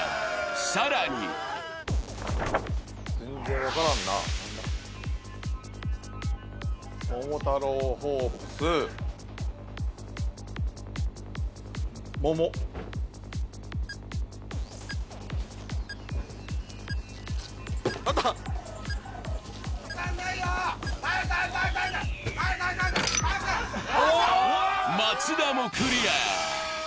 更に松田もクリア。